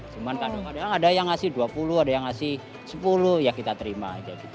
cuman kadang kadang ada yang ngasih dua puluh ada yang ngasih sepuluh ya kita terima aja gitu